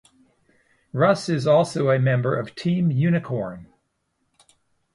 Russ is also a member of Team Unicorn.